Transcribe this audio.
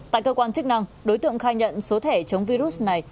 tại cơ quan chức năng đối tượng khai nhận số thẻ chống virus này